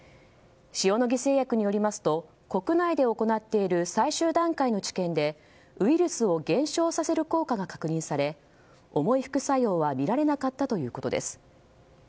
塩野義製薬によりますと国内で行っている最終段階の治験でウイルスを減少させる効果が確認され重い副作用は見られなかったということです。